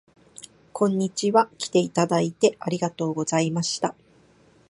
こんにちは。きていただいてありがとうございました